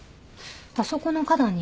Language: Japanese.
あそこの花壇にも？